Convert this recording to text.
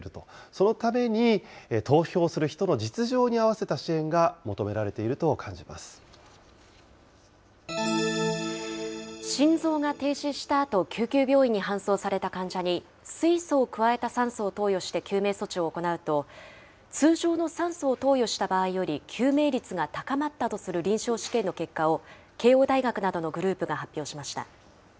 そのために、投票する人の実情に合わせた支援が求められていると心臓が停止したあと、救急病院に搬送された患者に、水素を加えた酸素を投与して救命措置を行うと、通常の酸素を投与した場合より救命率が高まったとする臨床試験の結果を、慶応大学などのグループが発表しました。